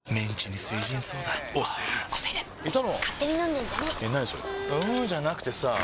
んーじゃなくてさぁ